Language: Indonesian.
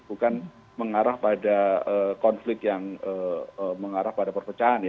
bukan mengarah pada konflik yang mengarah pada perpecahan ya